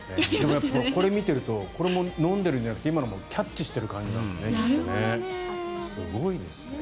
でも、これを見ているとこれも飲んでいるんじゃなくて今のもキャッチしている感じなんですね、きっとね。